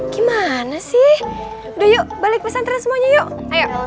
gimana sih doyu balik pesantren semuanya yuk ayo